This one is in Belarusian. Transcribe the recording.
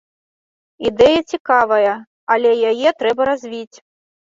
Ідэя цікавая, але яе трэба развіць.